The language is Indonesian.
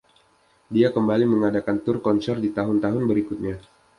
Dia kembali mengadakan tur konser di tahun-tahun berikutnya.